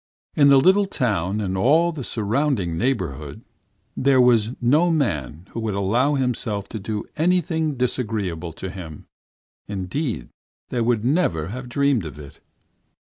In the little town and all the surrounding neighborhood there was no man who would allow himself to do anything disagreeable to him; indeed, they would never have dreamed of it.